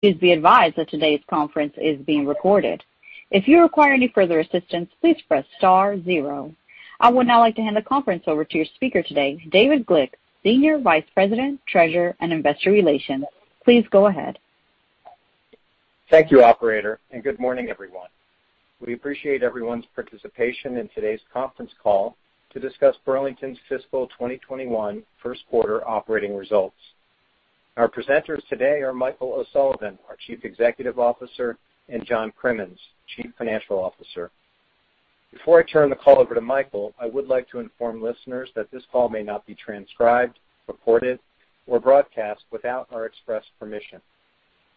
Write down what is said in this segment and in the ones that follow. Please be advised that today's conference is being recorded. If you require any further assistance, please press star zero. I would now like to hand the conference over to your speaker today, David Glick, Senior Vice President, Treasurer, and Investor Relations. Please go ahead. Thank you, operator, and good morning, everyone. We appreciate everyone's participation in today's conference call to discuss Burlington's fiscal 2021 first quarter operating results. Our presenters today are Michael O'Sullivan, our Chief Executive Officer, and John Crimmins, Chief Financial Officer. Before I turn the call over to Michael, I would like to inform listeners that this call may not be transcribed, recorded, or broadcast without our express permission.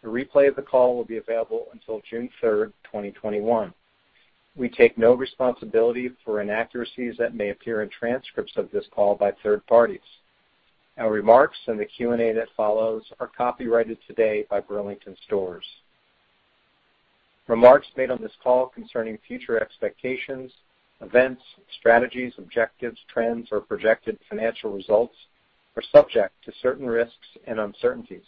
A replay of the call will be available until June 3rd, 2021. We take no responsibility for inaccuracies that may appear in transcripts of this call by third parties. Our remarks and the Q&A that follows are copyrighted today by Burlington Stores. Remarks made on this call concerning future expectations, events, strategies, objectives, trends, or projected financial results are subject to certain risks and uncertainties.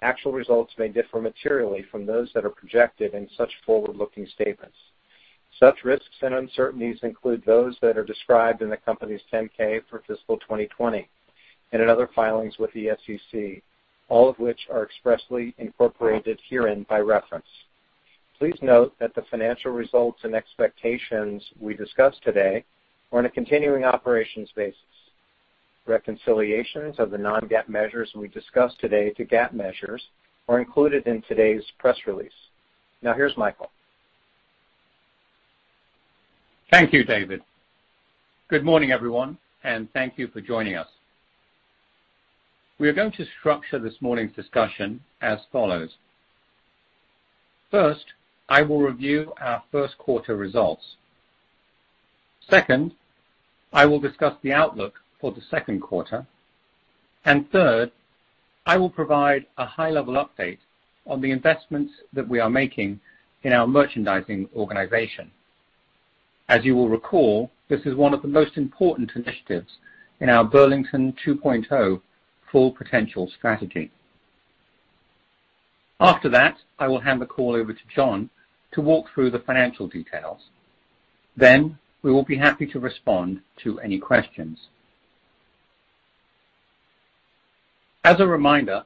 Actual results may differ materially from those that are projected in such forward-looking statements. Such risks and uncertainties include those that are described in the company's 10-K for fiscal 2020 and in other filings with the SEC, all of which are expressly incorporated herein by reference. Please note that the financial results and expectations we discuss today are on a continuing operations basis. Reconciliations of the non-GAAP measures we discuss today to GAAP measures are included in today's press release. Now here's Michael O'Sullivan. Thank you, David. Good morning, everyone, and thank you for joining us. We are going to structure this morning's discussion as follows. First, I will review our first quarter results. Second, I will discuss the outlook for the second quarter, and third, I will provide a high-level update on the investments that we are making in our merchandising organization. As you will recall, this is one of the most important initiatives in our Burlington 2.0 full potential strategy. After that, I will hand the call over to John to walk through the financial details. We will be happy to respond to any questions. As a reminder,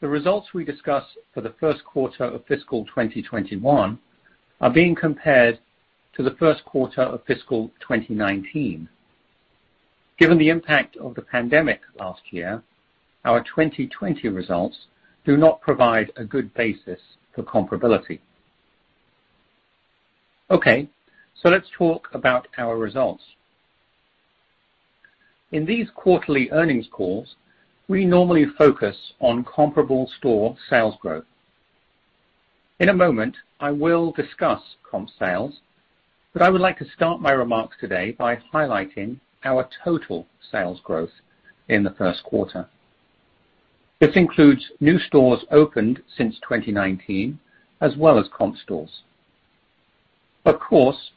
the results we discuss for the first quarter of fiscal 2021 are being compared to the first quarter of fiscal 2019. Given the impact of the pandemic last year, our 2020 results do not provide a good basis for comparability. Okay, let's talk about our results. In these quarterly earnings calls, we normally focus on comparable store sales growth. In a moment, I will discuss comp sales, but I would like to start my remarks today by highlighting our total sales growth in the first quarter. This includes new stores opened since 2019, as well as comp stores. Of course,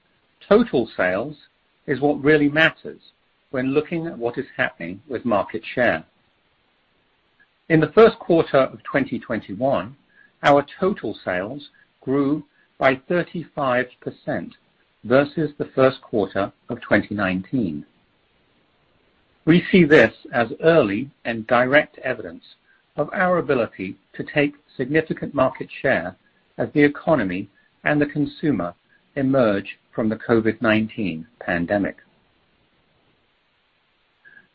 total sales is what really matters when looking at what is happening with market share. In the first quarter of 2021, our total sales grew by 35% versus the first quarter of 2019. We see this as early and direct evidence of our ability to take significant market share as the economy and the consumer emerge from the COVID-19 pandemic.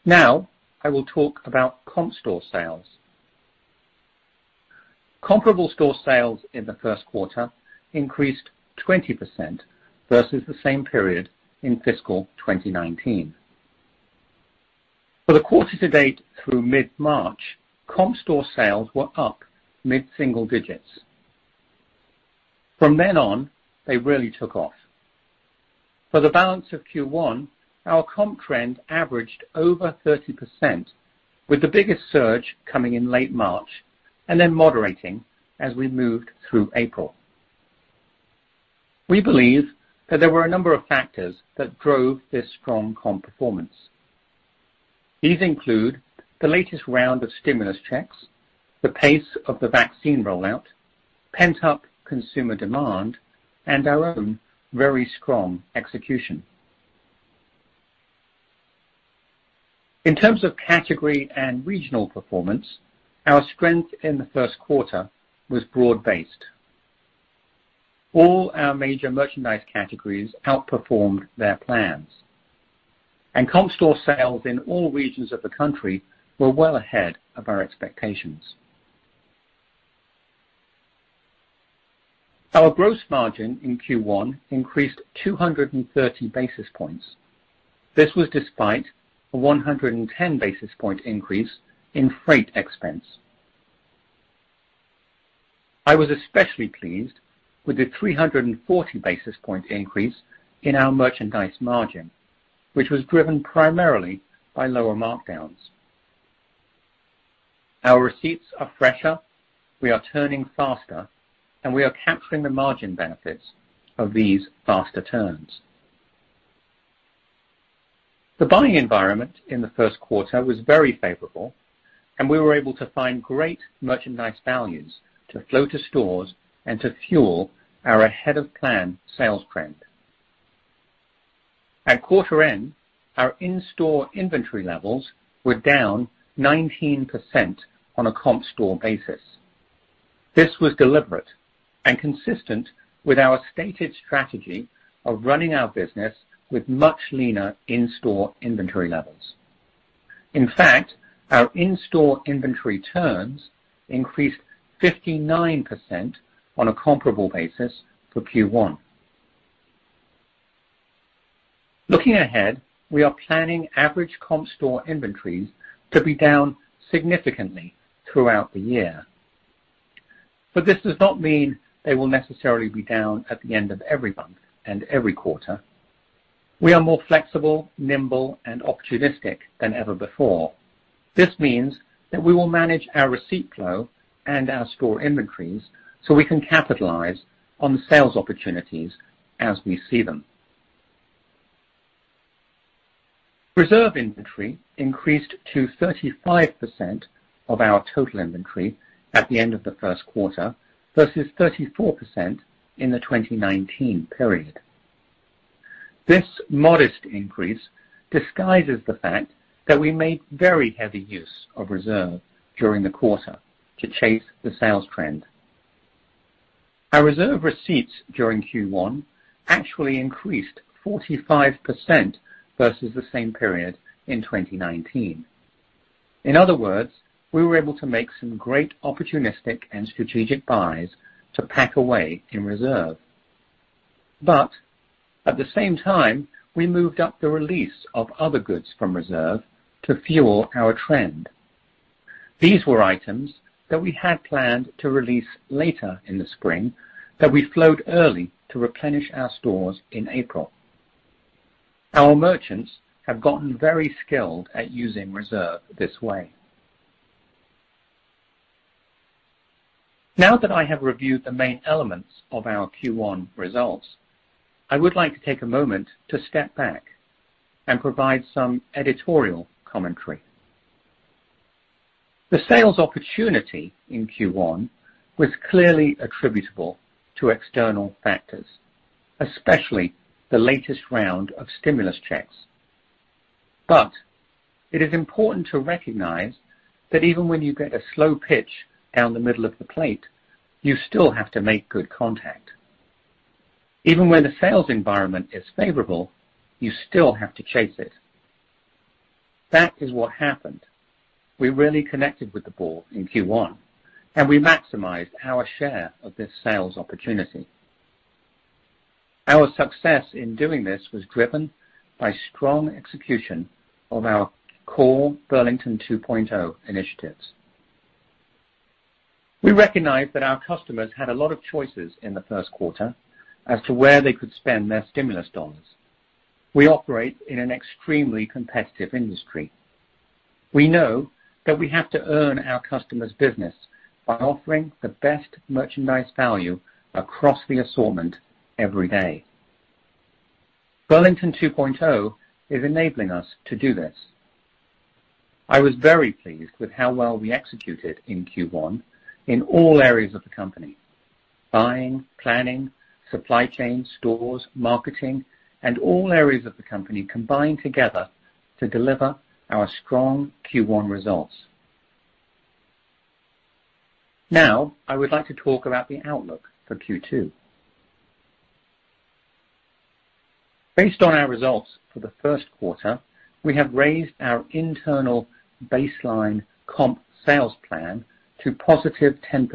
Now, I will talk about comp store sales. Comparable store sales in the first quarter increased 20% versus the same period in fiscal 2019. For the quarter to date through mid-March, comp store sales were up mid-single digits. From then on, they really took off. For the balance of Q1, our comp trend averaged over 30%, with the biggest surge coming in late March, and then moderating as we moved through April. We believe that there were a number of factors that drove this strong comp performance. These include the latest round of stimulus checks, the pace of the vaccine rollout, pent-up consumer demand, and our own very strong execution. In terms of category and regional performance, our strength in the first quarter was broad-based. All our major merchandise categories outperformed their plans, and comp store sales in all regions of the country were well ahead of our expectations. Our gross margin in Q1 increased 230 basis points. This was despite a 110 basis point increase in freight expense. I was especially pleased with the 340 basis point increase in our merchandise margin, which was driven primarily by lower markdowns. Our receipts are fresher, we are turning faster, and we are capturing the margin benefits of these faster turns. The buying environment in the first quarter was very favorable, and we were able to find great merchandise values to flow to stores and to fuel our ahead-of-plan sales trend. At quarter end, our in-store inventory levels were down 19% on a comp store basis. This was deliberate and consistent with our stated strategy of running our business with much leaner in-store inventory levels. In fact, our in-store inventory turns increased 59% on a comparable basis for Q1. Looking ahead, we are planning average comp store inventories to be down significantly throughout the year. This does not mean they will necessarily be down at the end of every month and every quarter. We are more flexible, nimble, and opportunistic than ever before. This means that we will manage our receipt flow and our store inventories so we can capitalize on sales opportunities as we see them. Reserve inventory increased to 35% of our total inventory at the end of the first quarter versus 34% in the 2019 period. This modest increase disguises the fact that we made very heavy use of reserve during the quarter to chase the sales trend. Our reserve receipts during Q1 actually increased 45% versus the same period in 2019. In other words, we were able to make some great opportunistic and strategic buys to pack away in reserve. At the same time, we moved up the release of other goods from reserve to fuel our trend. These were items that we had planned to release later in the spring that we flowed early to replenish our stores in April. Our merchants have gotten very skilled at using Reserve this way. Now that I have reviewed the main elements of our Q1 results, I would like to take a moment to step back and provide some editorial commentary. The sales opportunity in Q1 was clearly attributable to external factors, especially the latest round of stimulus checks. It is important to recognize that even when you get a slow pitch down the middle of the plate, you still have to make good contact. Even when a sales environment is favorable, you still have to chase it. That is what happened. We really connected with the ball in Q1, and we maximized our share of this sales opportunity. Our success in doing this was driven by strong execution of our core Burlington 2.0 initiatives. We recognize that our customers had a lot of choices in the first quarter as to where they could spend their stimulus dollars. We operate in an extremely competitive industry. We know that we have to earn our customers' business by offering the best merchandise value across the assortment every day. Burlington 2.0 is enabling us to do this. I was very pleased with how well we executed in Q1 in all areas of the company. Buying, planning, supply chain, stores, marketing, and all areas of the company combined together to deliver our strong Q1 results. I would like to talk about the outlook for Q2. Based on our results for the first quarter, we have raised our internal baseline comp sales plan to positive 10%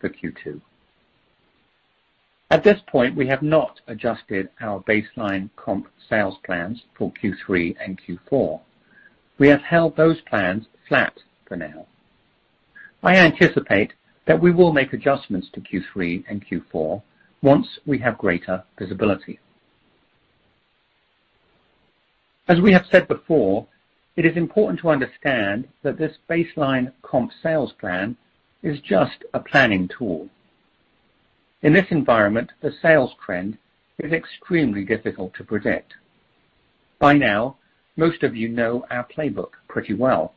for Q2. At this point, we have not adjusted our baseline comp sales plans for Q3 and Q4. We have held those plans flat for now. I anticipate that we will make adjustments to Q3 and Q4 once we have greater visibility. As we have said before, it is important to understand that this baseline comp sales plan is just a planning tool. In this environment, the sales trend is extremely difficult to predict. By now, most of you know our playbook pretty well.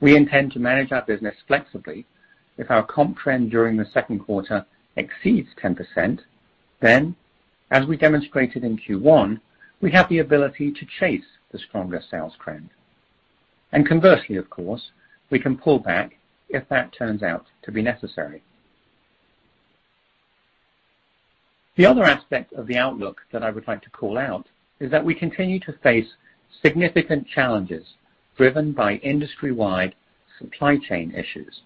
We intend to manage our business flexibly. If our comp trend during the second quarter exceeds 10%, then, as we demonstrated in Q1, we have the ability to chase the stronger sales trend. Conversely, of course, we can pull back if that turns out to be necessary. The other aspect of the outlook that I would like to call out is that we continue to face significant challenges driven by industry-wide supply chain issues.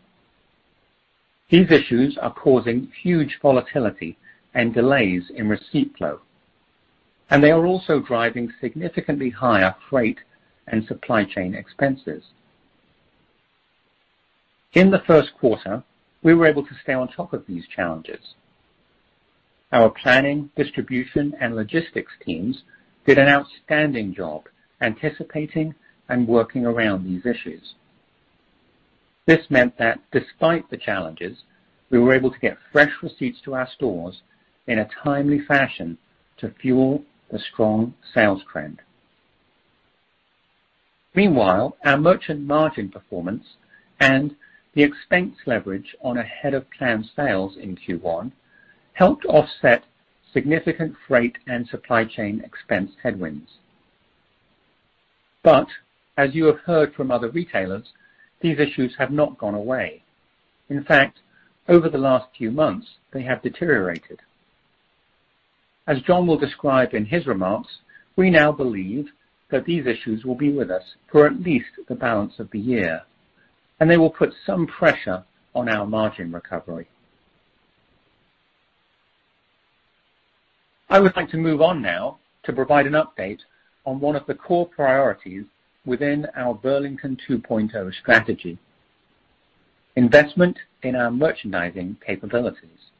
These issues are causing huge volatility and delays in receipt flow, and they are also driving significantly higher freight and supply chain expenses. In the first quarter, we were able to stay on top of these challenges. Our planning, distribution, and logistics teams did an outstanding job anticipating and working around these issues. This meant that despite the challenges, we were able to get fresh receipts to our stores in a timely fashion to fuel the strong sales trend. Meanwhile, our merchandise margin performance and the expense leverage on ahead of plan sales in Q1 helped offset significant freight and supply chain expense headwinds. As you have heard from other retailers, these issues have not gone away. In fact, over the last few months, they have deteriorated. As John will describe in his remarks, we now believe that these issues will be with us for at least the balance of the year, and they will put some pressure on our margin recovery. I would like to move on now to provide an update on one of the core priorities within our Burlington 2.0 strategy, investment in our merchandising capabilities.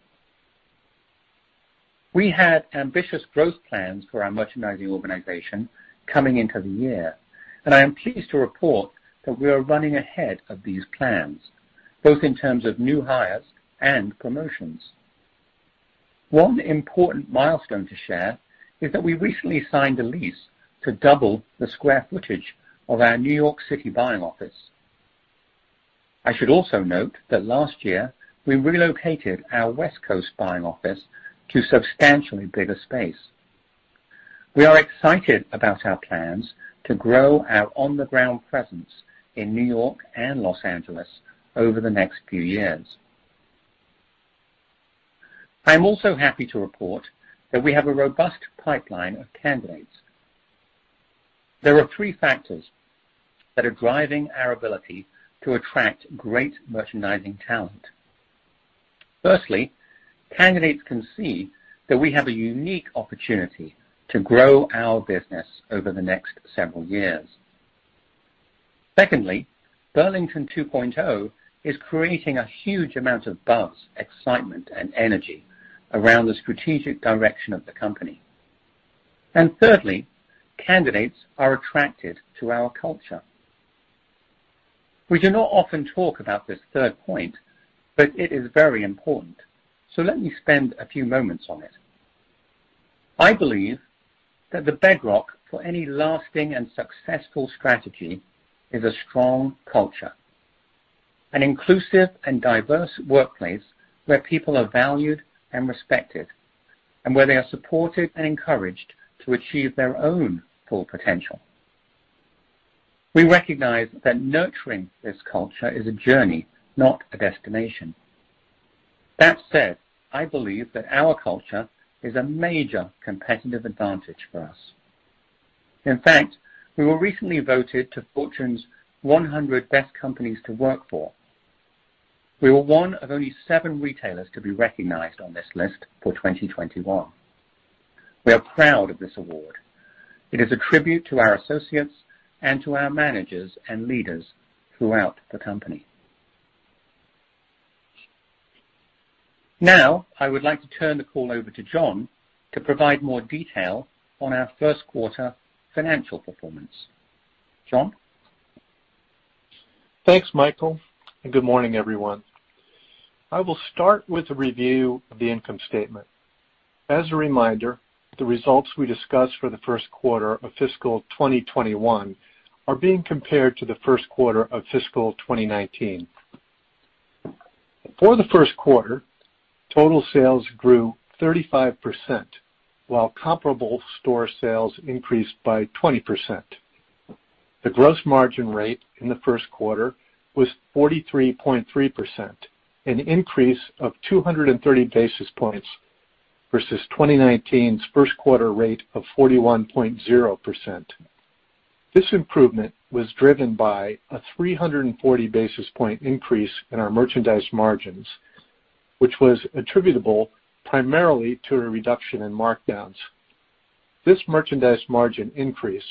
We had ambitious growth plans for our merchandising organization coming into the year, and I am pleased to report that we are running ahead of these plans, both in terms of new hires and promotions. One important milestone to share is that we recently signed a lease to double the square footage of our New York City buying office. I should also note that last year, we relocated our West Coast buying office to a substantially bigger space. We are excited about our plans to grow our on-the-ground presence in New York and Los Angeles over the next few years. I'm also happy to report that we have a robust pipeline of candidates. There are three factors that are driving our ability to attract great merchandising talent. Firstly, candidates can see that we have a unique opportunity to grow our business over the next several years. Secondly, Burlington 2.0 is creating a huge amount of buzz, excitement, and energy around the strategic direction of the company. Thirdly, candidates are attracted to our culture. We do not often talk about this third point, but it is very important, so let me spend a few moments on it. I believe that the bedrock for any lasting and successful strategy is a strong culture, an inclusive and diverse workplace where people are valued and respected, and where they are supported and encouraged to achieve their own full potential. We recognize that nurturing this culture is a journey, not a destination. That said, I believe that our culture is a major competitive advantage for us. In fact, we were recently voted to Fortune's 100 Best Companies to Work For. We were one of only seven retailers to be recognized on this list for 2021. We are proud of this award. It is a tribute to our associates and to our managers and leaders throughout the company. I would like to turn the call over to John to provide more detail on our first quarter financial performance. John Crimmins? Thanks, Michael, and good morning, everyone. I will start with a review of the income statement. As a reminder, the results we discussed for the first quarter of fiscal 2021 are being compared to the first quarter of fiscal 2019. For the first quarter, total sales grew 35%, while comparable store sales increased by 20%. The gross margin rate in the first quarter was 43.3%, an increase of 230 basis points versus 2019's first quarter rate of 41.0%. This improvement was driven by a 340 basis point increase in our merchandise margins, which was attributable primarily to a reduction in markdowns. This merchandise margin increase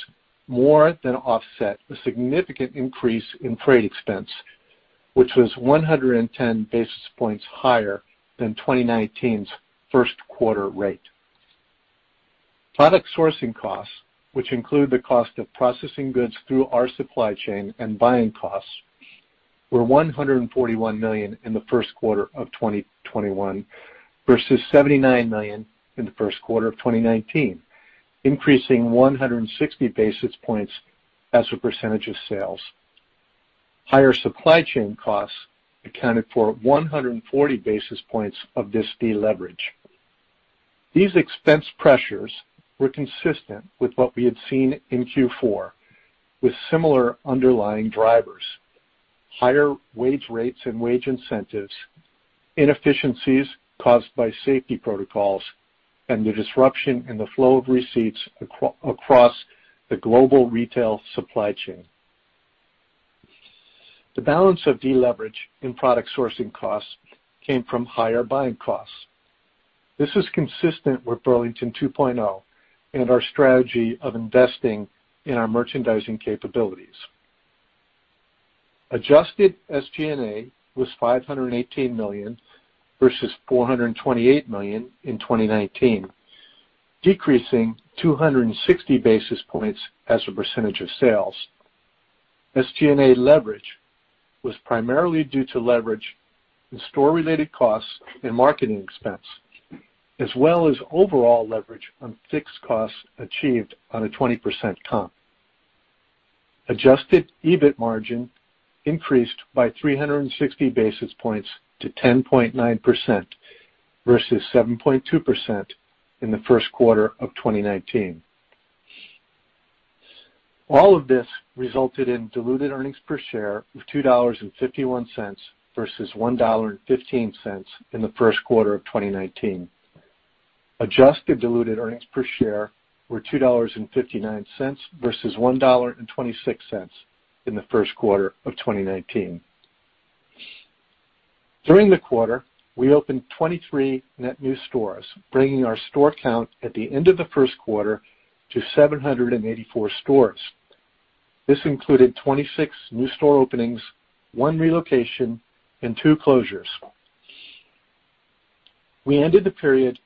more than offset the significant increase in freight expense, which was 110 basis points higher than 2019's first quarter rate. Product sourcing costs, which include the cost of processing goods through our supply chain and buying costs, were $141 million in the first quarter of 2021 versus $79 million in the first quarter of 2019, increasing 160 basis points as a percentage of sales. Higher supply chain costs accounted for 140 basis points of this deleverage. These expense pressures were consistent with what we had seen in Q4, with similar underlying drivers, higher wage rates and wage incentives, inefficiencies caused by safety protocols, and the disruption in the flow of receipts across the global retail supply chain. The balance of deleverage in product sourcing costs came from higher buying costs. This is consistent with Burlington 2.0 and our strategy of investing in our merchandising capabilities. Adjusted SG&A was $518 million versus $428 million in 2019. Decreasing 260 basis points as a percentage of sales. SG&A leverage was primarily due to leverage in store-related costs and marketing expense, as well as overall leverage on fixed costs achieved on a 20% comp. Adjusted EBIT margin increased by 360 basis points to 10.9% versus 7.2% in the first quarter of 2019. All of this resulted in diluted earnings per share of $2.51 versus $1.15 in the first quarter of 2019. Adjusted diluted earnings per share were $2.59 versus $1.26 in the first quarter of 2019. During the quarter, we opened 23 net new stores, bringing our store count at the end of the first quarter to 784 stores. This included 26 new store openings, one relocation, and two closures. We ended the period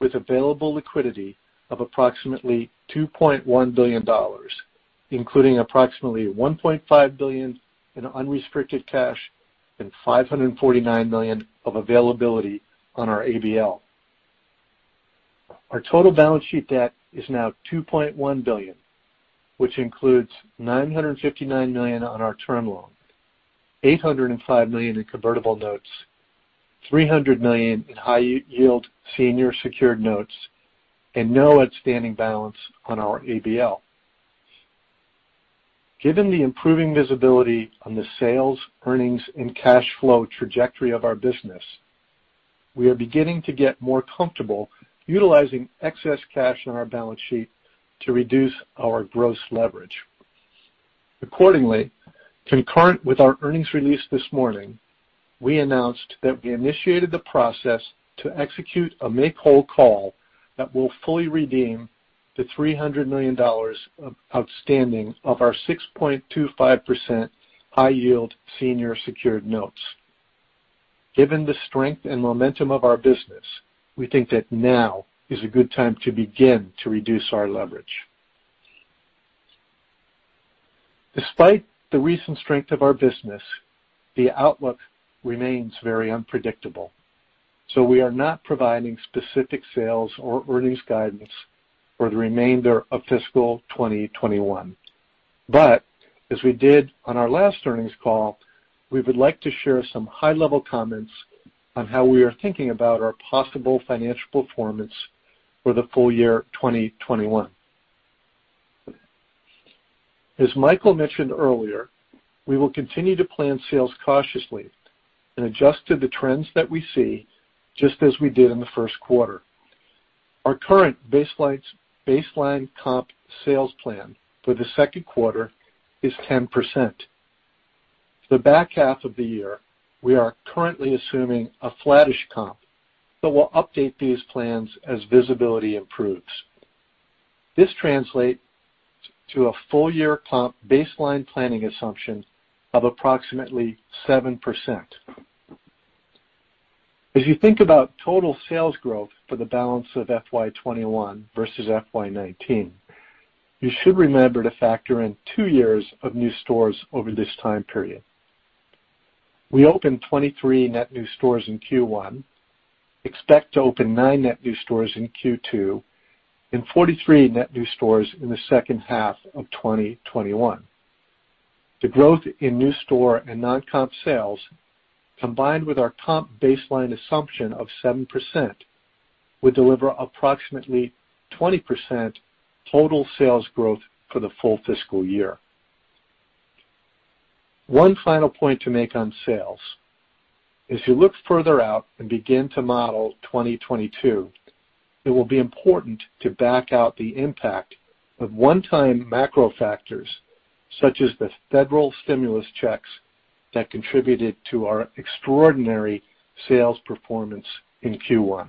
with available liquidity of approximately $2.1 billion, including approximately $1.5 billion in unrestricted cash and $549 million of availability on our Asset-Based Lending. Our total balance sheet debt is now $2.1 billion, which includes $959 million on our term loan, $805 million in convertible notes, $300 million in high-yield senior secured notes, and no outstanding balance on our ABL. Given the improving visibility on the sales, earnings, and cash flow trajectory of our business, we are beginning to get more comfortable utilizing excess cash on our balance sheet to reduce our gross leverage. Accordingly, concurrent with our earnings release this morning, we announced that we initiated the process to execute a make-whole call that will fully redeem the $300 million outstanding of our 6.25% high-yield senior secured notes. Given the strength and momentum of our business, we think that now is a good time to begin to reduce our leverage. Despite the recent strength of our business, the outlook remains very unpredictable, so we are not providing specific sales or earnings guidance for the remainder of fiscal 2021. As we did on our last earnings call, we would like to share some high-level comments on how we are thinking about our possible financial performance for the full year 2021. As Michael mentioned earlier, we will continue to plan sales cautiously and adjust to the trends that we see, just as we did in the first quarter. Our current baseline comp sales plan for the second quarter is 10%. For the back half of the year, we are currently assuming a flattish comp, but we'll update these plans as visibility improves. This translates to a full-year comp baseline planning assumption of approximately 7%. As you think about total sales growth for the balance of FY 2021 versus FY 2019, you should remember to factor in two years of new stores over this time period. We opened 23 net new stores in Q1, expect to open nine net new stores in Q2, and 43 net new stores in the second half of 2021. The growth in new store and non-comp sales, combined with our comp baseline assumption of 7%, will deliver approximately 20% total sales growth for the full fiscal year. One final point to make on sales. As you look further out and begin to model 2022, it will be important to back out the impact of one-time macro factors such as the federal stimulus checks that contributed to our extraordinary sales performance in Q1.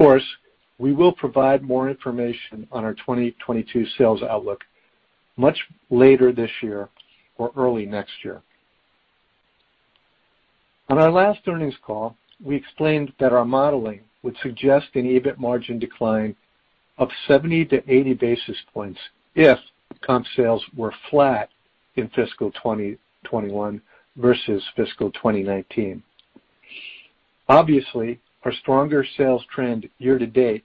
Of course, we will provide more information on our 2022 sales outlook much later this year or early next year. On our last earnings call, we explained that our modeling would suggest an EBIT margin decline of 70 basis points-80 basis points if comp sales were flat in fiscal 2021 versus fiscal 2019. Obviously, our stronger sales trend year to date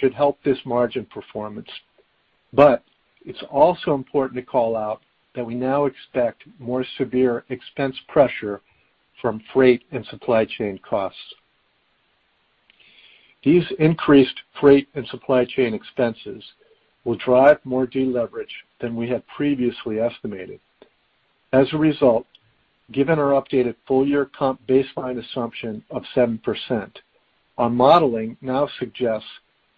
should help this margin performance, but it's also important to call out that we now expect more severe expense pressure from freight and supply chain costs. These increased freight and supply chain expenses will drive more deleverage than we had previously estimated. As a result, given our updated full-year comp baseline assumption of 7%, our modeling now suggests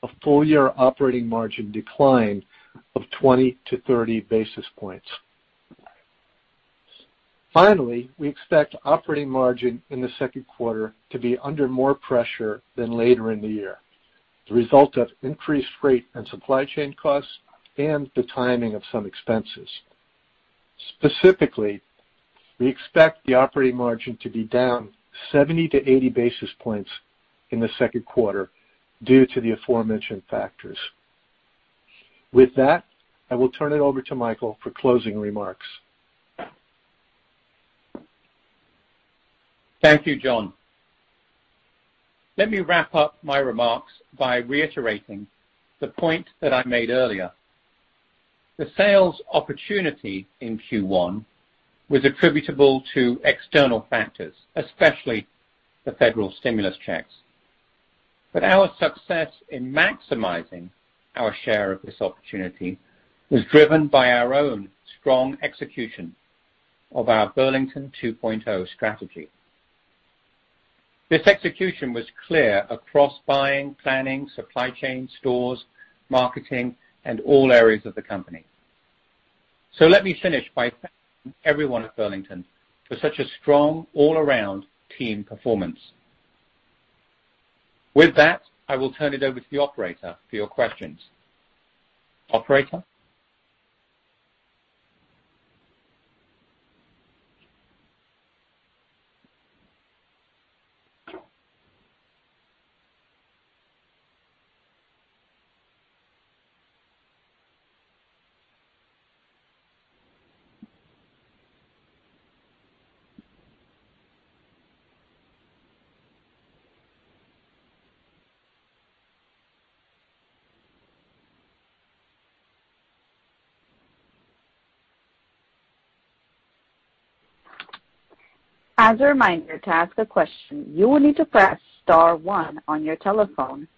a full-year operating margin decline of 20 basis points-30 basis points. Finally, we expect operating margin in the second quarter to be under more pressure than later in the year, the result of increased freight and supply chain costs and the timing of some expenses. Specifically, we expect the operating margin to be down 70 basis points-80 basis points in the second quarter due to the aforementioned factors. With that, I will turn it over to Michael for closing remarks. Thank you, John. Let me wrap up my remarks by reiterating the point that I made earlier. The sales opportunity in Q1 was attributable to external factors, especially the federal stimulus checks. Our success in maximizing our share of this opportunity was driven by our own strong execution of our Burlington 2.0 strategy. This execution was clear across buying, planning, supply chain, stores, marketing, and all areas of the company. Let me finish by thanking everyone at Burlington for such a strong all-around team performance. With that, I will turn it over to the operator for your questions. Operator? As a reminder to ask a question you will need to press star one on your telephone.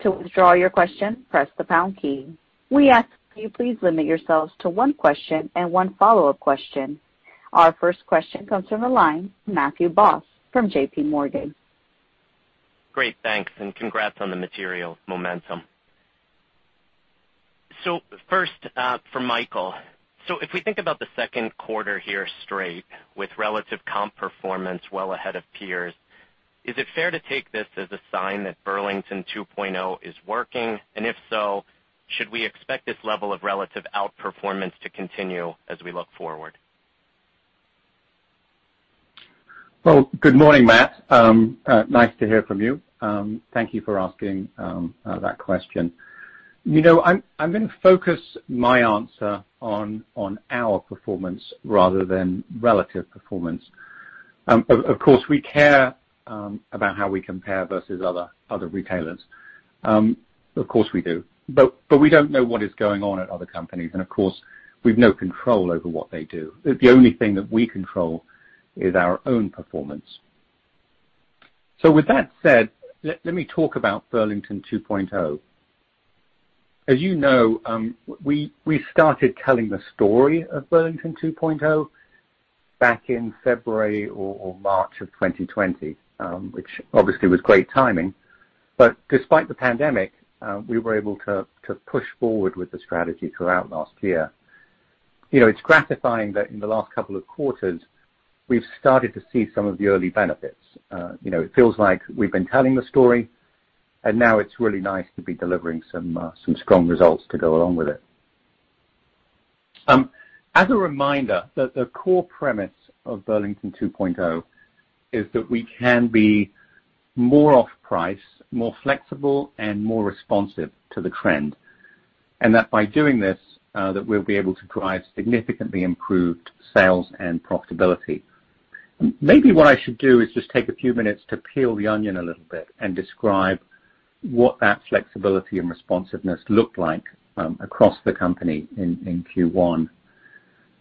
To withdraw your question press the pound key. We are asking to please limit yourself to one question and one follow-up question. Our first question comes from the line, Matthew Boss from JPMorgan. Great. Thanks, and congrats on the material momentum. First, for Michael. If we think about the second quarter here straight with relative comp performance well ahead of peers, is it fair to take this as a sign that Burlington 2.0 is working? If so, should we expect this level of relative outperformance to continue as we look forward? Good morning, Matt. Nice to hear from you. Thank you for asking that question. I'm going to focus my answer on our performance rather than relative performance. Of course, we care about how we compare versus other retailers. Of course we do. We don't know what is going on at other companies, and of course, we've no control over what they do. The only thing that we control is our own performance. With that said, let me talk about Burlington 2.0. As you know, we started telling the story of Burlington 2.0 back in February or March of 2020, which obviously was great timing. Despite the pandemic, we were able to push forward with the strategy throughout last year. It's gratifying that in the last couple of quarters, we've started to see some of the early benefits. It feels like we've been telling the story, now it's really nice to be delivering some strong results to go along with it. As a reminder, the core premise of Burlington 2.0 is that we can be more off-price, more flexible, and more responsive to the trend, that by doing this, that we'll be able to drive significantly improved sales and profitability. Maybe what I should do is just take a few minutes to peel the onion a little bit and describe what that flexibility and responsiveness looked like across the company in Q1.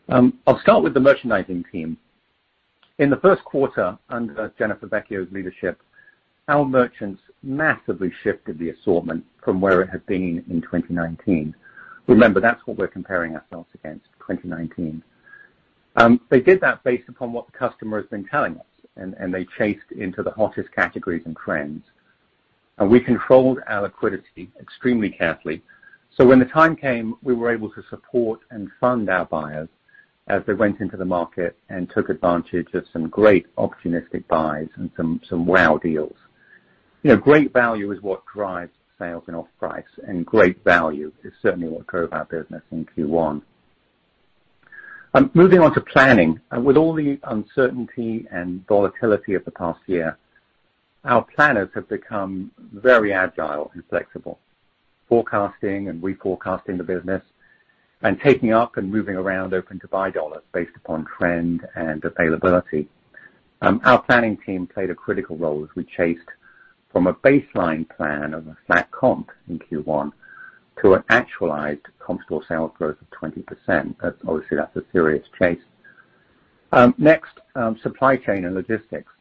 I'll start with the merchandising team. In the first quarter under Jennifer Vecchio's leadership, our merchants massively shifted the assortment from where it had been in 2019. Remember, that's what we're comparing ourselves against, 2019. They did that based upon what the customer has been telling us. They chased into the hottest categories and trends. We controlled our liquidity extremely carefully, so when the time came, we were able to support and fund our buyers as they went into the market and took advantage of some great opportunistic buys and some wow deals. Great value is what drives sales and off price. Great value is certainly what drove our business in Q1. Moving on to planning. With all the uncertainty and volatility of the past year, our planners have become very agile and flexible, forecasting and reforecasting the business and taking up and moving around open-to-buy dollars based upon trend and availability. Our planning team played a critical role as we chased from a baseline plan of a flat comp in Q1 to an actualized comp store sales growth of 20%. Obviously, that's a serious chase. Next, supply chain and logistics.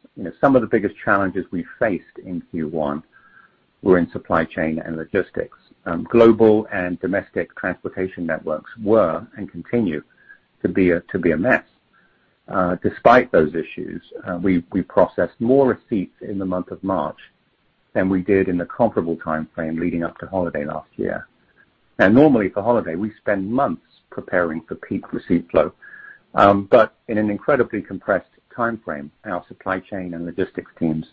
Some of the biggest challenges we faced in Q1 were in supply chain and logistics. Global and domestic transportation networks were, and continue to be, a mess. Despite those issues, we processed more receipts in the month of March than we did in the comparable timeframe leading up to holiday last year. Now, normally for holiday, we spend months preparing for peak receipt flow. In an incredibly compressed timeframe, our supply chain and logistics teams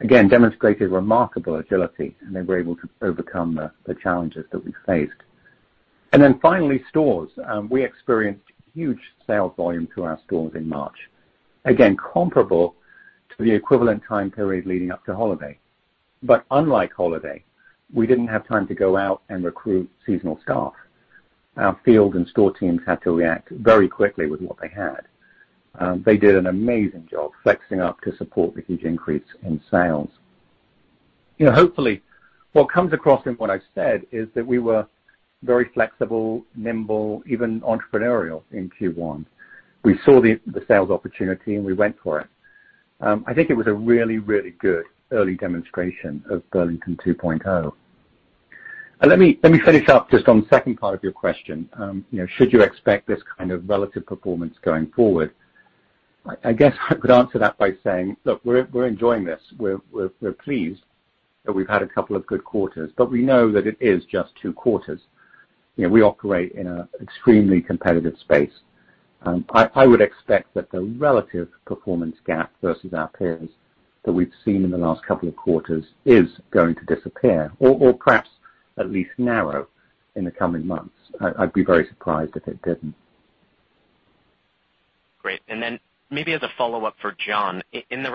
again demonstrated remarkable agility, and they were able to overcome the challenges that we faced. Finally, stores. We experienced huge sales volume through our stores in March, again, comparable to the equivalent time period leading up to holiday. Unlike holiday, we didn't have time to go out and recruit seasonal staff. Our field and store teams had to react very quickly with what they had. They did an amazing job flexing up to support the huge increase in sales. Hopefully, what comes across in what I've said is that we were very flexible, nimble, even entrepreneurial in Q1. We saw the sales opportunity, and we went for it. I think it was a really, really good early demonstration of Burlington 2.0. Let me finish up just on the second part of your question. Should you expect this kind of relative performance going forward? I guess I could answer that by saying, look, we're enjoying this. We're pleased that we've had a couple of good quarters, but we know that it is just two quarters. We operate in an extremely competitive space. I would expect that the relative performance gap versus our peers that we've seen in the last couple of quarters is going to disappear, or perhaps at least narrow in the coming months. I'd be very surprised if it didn't. Great. Maybe the follow-up for John. I can't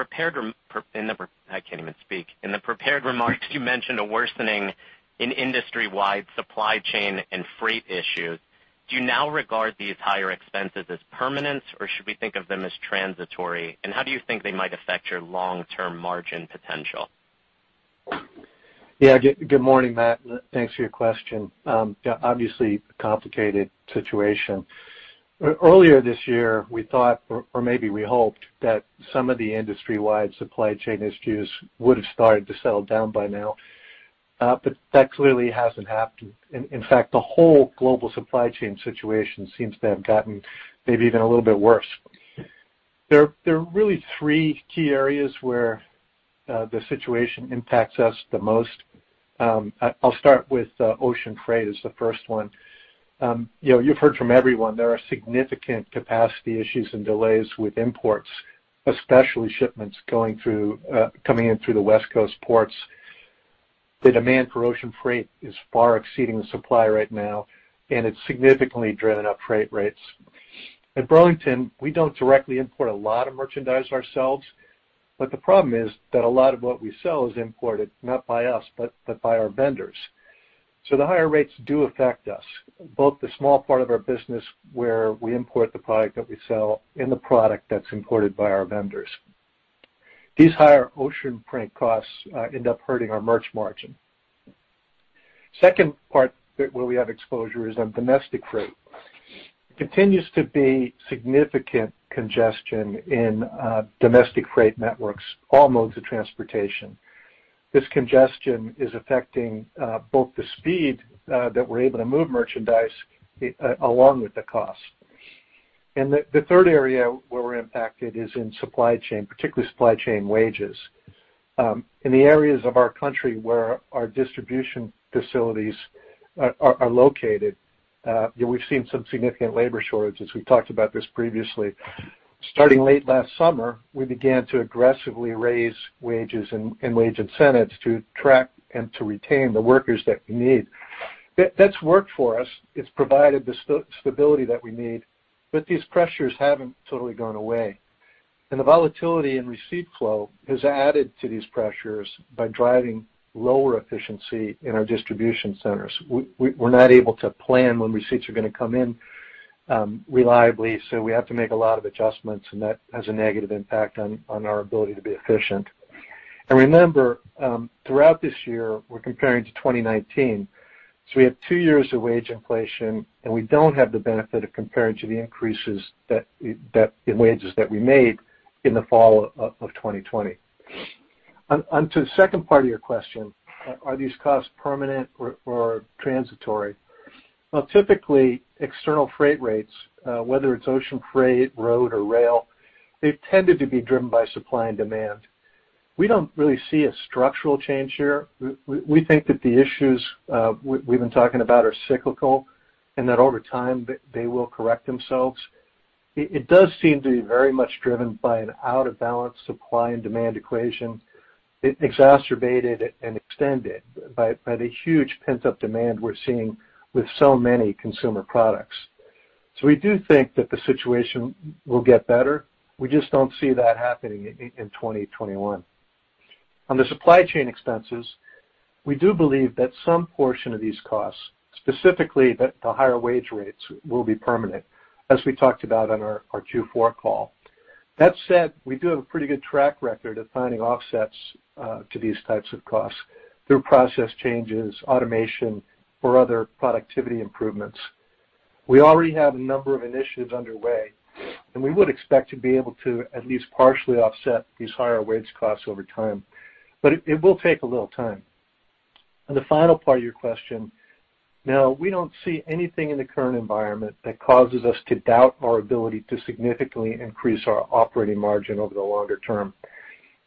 even speak. In the prepared remarks, you mentioned a worsening in industry-wide supply chain and freight issues. Do you now regard these higher expenses as permanent, or should we think of them as transitory? How do you think they might affect your long-term margin potential? Good morning, Matt. Thanks for your question. Obviously, a complicated situation. Earlier this year, we thought, or maybe we hoped that some of the industry-wide supply chain issues would've started to settle down by now. That clearly hasn't happened. In fact, the whole global supply chain situation seems to have gotten maybe even a little bit worse. There are really three key areas where the situation impacts us the most. I'll start with ocean freight as the first one. You've heard from everyone, there are significant capacity issues and delays with imports, especially shipments coming in through the West Coast ports. The demand for ocean freight is far exceeding the supply right now, and it's significantly driven up freight rates. At Burlington, we don't directly import a lot of merchandise ourselves, but the problem is that a lot of what we sell is imported not by us, but by our vendors. The higher rates do affect us, both the small part of our business where we import the product that we sell, and the product that's imported by our vendors. These higher ocean freight costs end up hurting our merch margin. Second part where we have exposure is on domestic freight. There continues to be significant congestion in domestic freight networks, all modes of transportation. This congestion is affecting both the speed that we're able to move merchandise, along with the cost. The third area where we're impacted is in supply chain, particularly supply chain wages. In the areas of our country where our distribution facilities are located, we've seen some significant labor shortages. We talked about this previously. Starting late last summer, we began to aggressively raise wages and wage incentives to attract and to retain the workers that we need. That's worked for us. It's provided the stability that we need, but these pressures haven't totally gone away, and the volatility in receipt flow has added to these pressures by driving lower efficiency in our distribution centers. We're not able to plan when receipts are going to come in reliably, so we have to make a lot of adjustments, and that has a negative impact on our ability to be efficient. Remember, throughout this year, we're comparing to 2019. We have two years of wage inflation, and we don't have the benefit of comparing to the increases in wages that we made in the fall of 2020. On to the second part of your question, are these costs permanent or transitory? Well, typically, external freight rates, whether it's ocean freight, road, or rail, they've tended to be driven by supply and demand. We don't really see a structural change here. We think that the issues we've been talking about are cyclical, and that over time, they will correct themselves. It does seem to be very much driven by an out-of-balance supply and demand equation. It exacerbated and extended by the huge pent-up demand we're seeing with so many consumer products. We do think that the situation will get better. We just don't see that happening in 2021. On the supply chain expenses, we do believe that some portion of these costs, specifically the higher wage rates, will be permanent, as we talked about on our Q4 call. That said, we do have a pretty good track record of finding offsets to these types of costs through process changes, automation, or other productivity improvements. We already have a number of initiatives underway, and we would expect to be able to at least partially offset these higher wage costs over time, but it will take a little time. On the final part of your question, no, we don't see anything in the current environment that causes us to doubt our ability to significantly increase our operating margin over the longer term.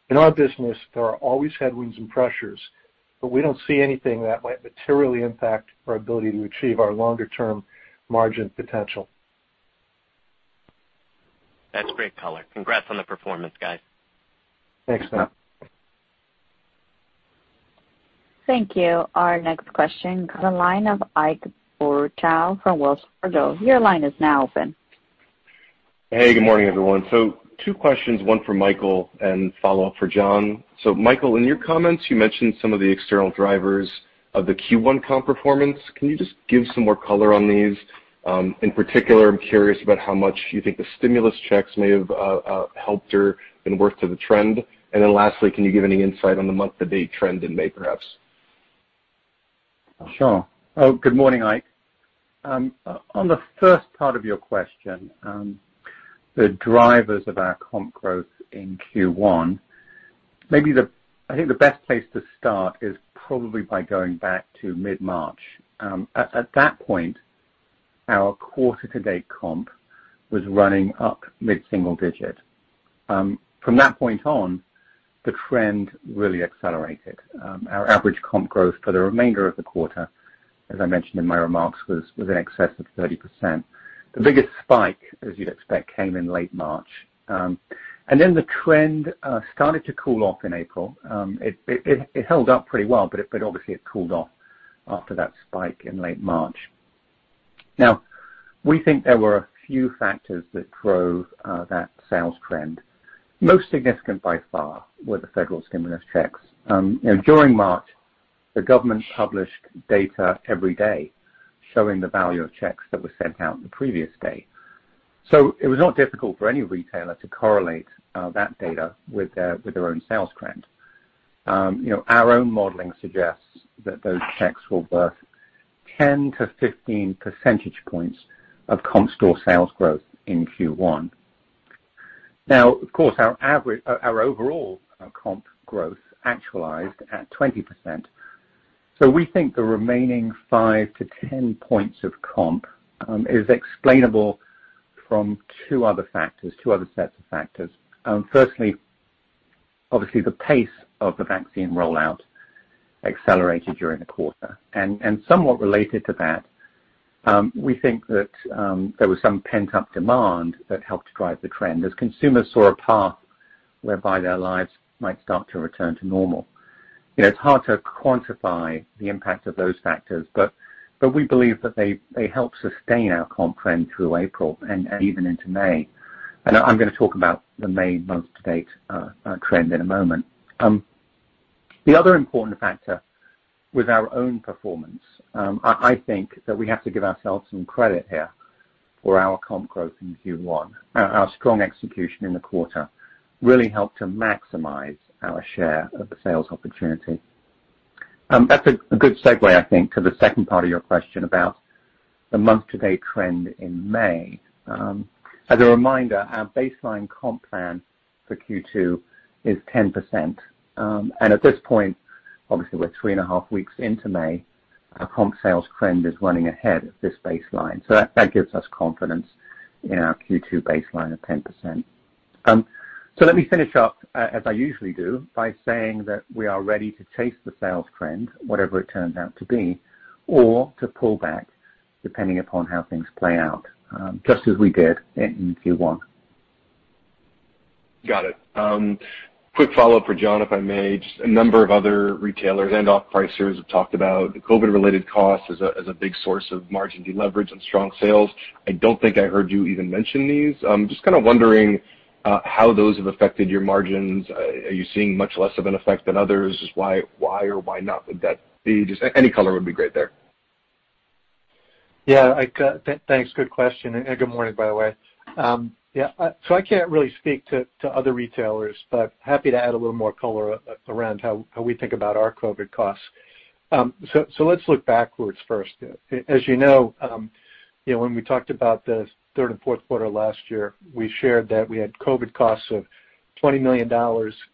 In our business, there are always headwinds and pressures, but we don't see anything that might materially impact our ability to achieve our longer-term margin potential. That's great color. Congrats on the performance, guys. Thanks, Matt. Thank you. Our next question comes from the line of Ike Boruchow from Wells Fargo. Your line is now open. Hey, good morning, everyone. Two questions, one for Michael and follow-up for John. Michael, in your comments, you mentioned some of the external drivers of the Q1 comp performance. Can you just give some more color on these? In particular, I'm curious about how much you think the stimulus checks may have helped or been worth to the trend. Then lastly, can you give any insight on the month-to-date trend in May, perhaps? Sure. Good morning, Ike. On the first part of your question, the drivers of our comp growth in Q1, I think the best place to start is probably by going back to mid-March. At that point, our quarter-to-date comp was running up mid-single digit. From that point on, the trend really accelerated. Our average comp growth for the remainder of the quarter, as I mentioned in my remarks, was in excess of 30%. The biggest spike, as you'd expect, came in late March. The trend started to cool off in April. It held up pretty well, obviously it cooled off after that spike in late March. We think there were a few factors that drove that sales trend. Most significant by far were the federal stimulus checks. During March, the government published data every day showing the value of checks that were sent out the previous day. It was not difficult for any retailer to correlate that data with their own sales trend. Our own modeling suggests that those checks were worth 10 percentage points-15 percentage points of comp store sales growth in Q1. Of course, our overall comp growth actualized at 20%. We think the remaining 5 points-10 points of comp is explainable from two other sets of factors. Firstly, obviously, the pace of the vaccine rollout accelerated during the quarter. Somewhat related to that, we think that there was some pent-up demand that helped drive the trend as consumers saw a path whereby their lives might start to return to normal. It's hard to quantify the impact of those factors, but we believe that they helped sustain our comp trend through April and even into May. I'm going to talk about the May month-to-date trend in a moment. The other important factor was our own performance. I think that we have to give ourselves some credit here for our comp growth in Q1. Our strong execution in the quarter really helped to maximize our share of the sales opportunity. That's a good segue, I think, to the second part of your question about the month-to-date trend in May. As a reminder, our baseline comp plan for Q2 is 10%. At this point, obviously we're three and a half weeks into May, our comp sales trend is running ahead of this baseline. That gives us confidence in our Q2 baseline of 10%. Let me finish up, as I usually do, by saying that we are ready to chase the sales trend, whatever it turns out to be, or to pull back, depending upon how things play out, just as we did in Q1. Got it. Quick follow-up for John, if I may. Just a number of other retailers and off-pricers have talked about the COVID-related costs as a big source of margin deleverage and strong sales. I don't think I heard you even mention these. I'm just kind of wondering how those have affected your margins. Are you seeing much less of an effect than others? Why or why not would that be? Just any color would be great there. Yeah, Ike Boruchow. Thanks. Good question. Good morning, by the way. I can't really speak to other retailers, but happy to add a little more color around how we think about our COVID costs. Let's look backwards first. As you know, when we talked about the third and fourth quarter last year, we shared that we had COVID costs of $20 million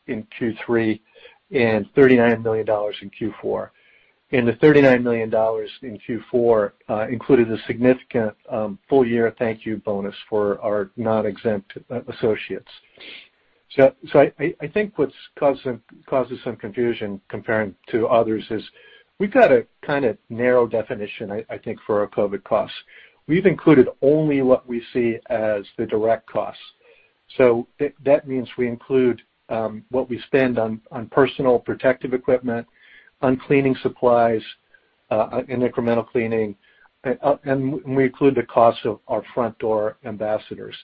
in Q3 and $39 million in Q4. The $39 million in Q4 included a significant full-year thank you bonus for our non-exempt associates. I think what causes some confusion comparing to others is we've got a kind of narrow definition, I think, for our COVID costs. We've included only what we see as the direct costs. That means we include what we spend on personal protective equipment, on cleaning supplies, in incremental cleaning, and we include the cost of our front door ambassadors.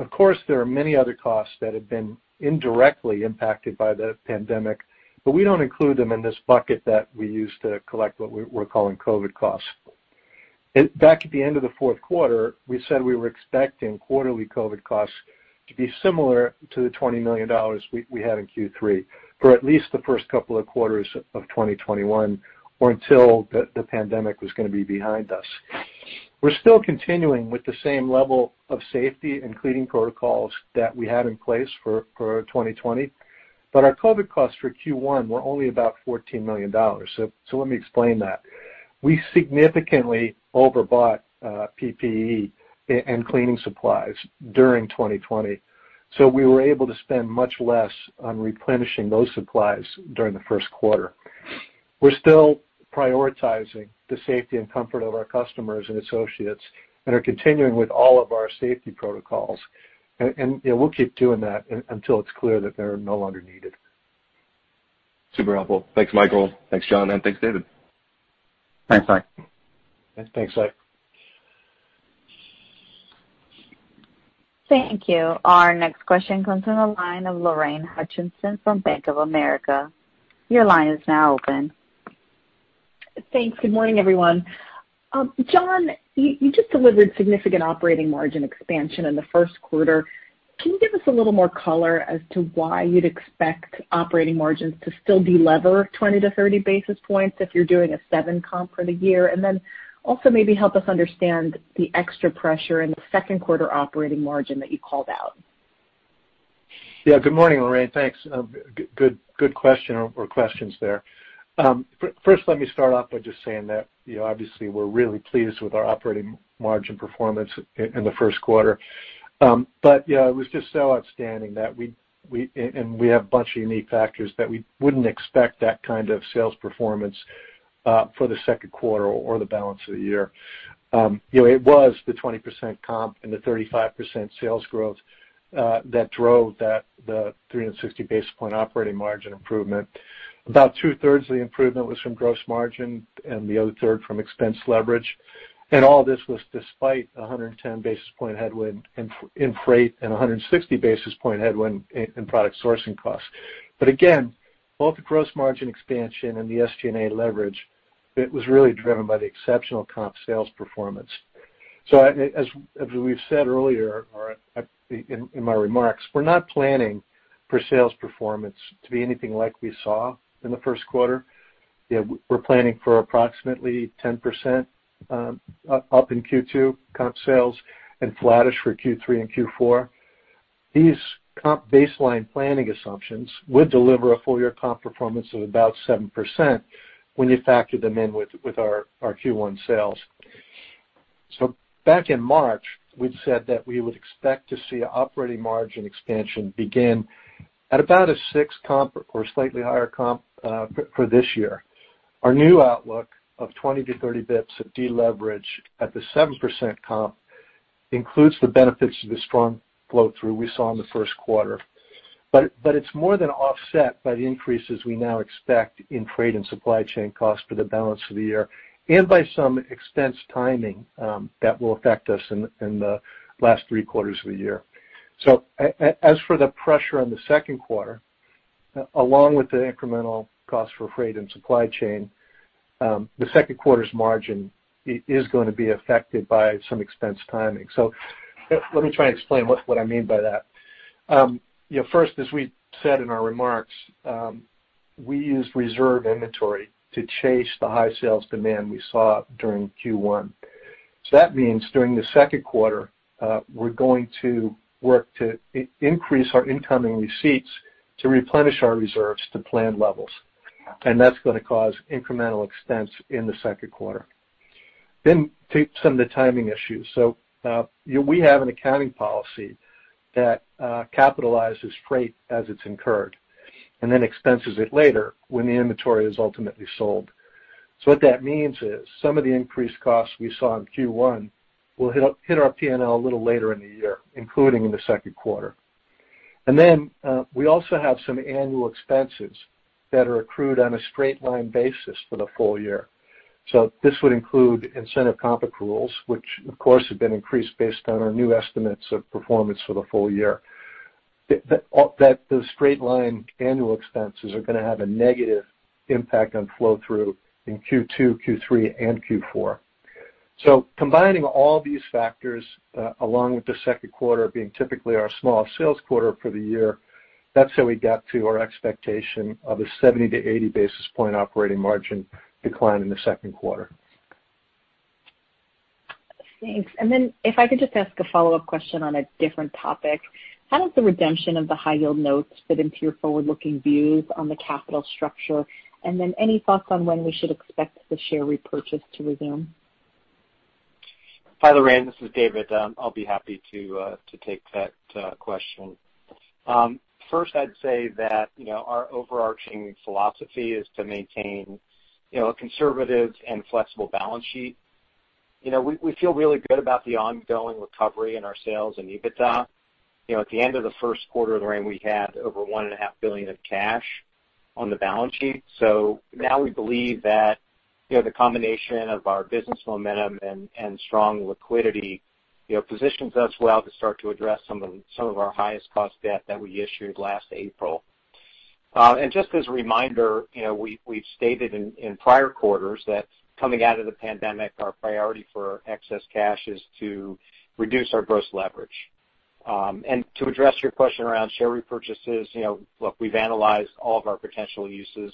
Of course, there are many other costs that have been indirectly impacted by the pandemic, we don't include them in this bucket that we use to collect what we're calling COVID costs. Back at the end of the fourth quarter, we said we were expecting quarterly COVID costs to be similar to the $20 million we had in Q3 for at least the first couple of quarters of 2021, or until the pandemic was going to be behind us. We're still continuing with the same level of safety and cleaning protocols that we had in place for 2020. Our COVID costs for Q1 were only about $14 million. Let me explain that. We significantly overbought PPE and cleaning supplies during 2020. We were able to spend much less on replenishing those supplies during the first quarter. We're still prioritizing the safety and comfort of our customers and associates and are continuing with all of our safety protocols. We'll keep doing that until it's clear that they're no longer needed. Super helpful. Thanks, Michael. Thanks, John, and thanks, David. Thanks, Ike. Thanks, Ike. Thank you. Our next question comes from the line of Lorraine Hutchinson from Bank of America. Your line is now open. Thanks. Good morning, everyone. John, you just delivered significant operating margin expansion in the first quarter. Can you give us a little more color as to why you'd expect operating margins to still de-lever 20 basis points-30 basis points if you're doing a seven comp for the year? Also maybe help us understand the extra pressure in the second quarter operating margin that you called out? Good morning, Lorraine. Thanks. Good question or questions there. First, let me start off by just saying that obviously we're really pleased with our operating margin performance in the first quarter. It was just so outstanding, and we have a bunch of unique factors that we wouldn't expect that kind of sales performance for the second quarter or the balance of the year. It was the 20% comp and the 35% sales growth that drove the 360 basis point operating margin improvement. About 2/3 of the improvement was from gross margin and the other third from expense leverage. All this despite 110 basis point headwind in freight and 160 basis point headwind in product sourcing costs. Again, both the gross margin expansion and the SG&A leverage, it was really driven by the exceptional comp sales performance. As we've said earlier in my remarks, we're not planning for sales performance to be anything like we saw in the first quarter. We're planning for approximately 10% up in Q2 comp sales and flattish for Q3 and Q4. These comp baseline planning assumptions would deliver a full-year comp performance of about 7% when you factor them in with our Q1 sales. Back in March, we'd said that we would expect to see operating margin expansion begin at about a six comp or slightly higher comp for this year. Our new outlook of basis points-30 basis points of deleverage at the 7% comp includes the benefits of the strong flow-through we saw in the first quarter. It's more than offset by the increases we now expect in freight and supply chain costs for the balance of the year and by some expense timing that will affect us in the last three quarters of the year. As for the pressure on the second quarter, along with the incremental cost for freight and supply chain, the second quarter's margin is going to be affected by some expense timing. Let me try and explain what I mean by that. First, as we said in our remarks, we used reserve inventory to chase the high sales demand we saw during Q1. That means during the second quarter, we're going to work to increase our incoming receipts to replenish our reserves to planned levels. That's going to cause incremental expense in the second quarter. Take some of the timing issues. We have an accounting policy that capitalizes freight as it's incurred and then expenses it later when the inventory is ultimately sold. What that means is some of the increased costs we saw in Q1 will hit our P&L a little later in the year, including in the second quarter. We also have some annual expenses that are accrued on a straight line basis for the full year. This would include incentive comp accruals, which of course have been increased based on our new estimates of performance for the full year. The straight line annual expenses are going to have a negative impact on flow through in Q2, Q3, and Q4. Combining all these factors along with the second quarter being typically our smallest sales quarter for the year, that's how we got to our expectation of a 70 basis points-80 basis point operating margin decline in the second quarter. Thanks. Then if I could just ask a follow-up question on a different topic. How does the redemption of the high-yield notes fit into your forward-looking views on the capital structure? Then any thoughts on when we should expect the share repurchase to resume? Hi, Lorraine, this is David. I'll be happy to take that question. First, I'd say that our overarching philosophy is to maintain a conservative and flexible balance sheet. We feel really good about the ongoing recovery in our sales and EBITDA. At the end of the first quarter, Lorraine, we had over $1.5 billion of cash on the balance sheet. Now we believe that the combination of our business momentum and strong liquidity positions us well to start to address some of our highest cost debt that we issued last April. Just as a reminder, we've stated in prior quarters that coming out of the pandemic, our priority for excess cash is to reduce our gross leverage. To address your question around share repurchases, look, we've analyzed all of our potential uses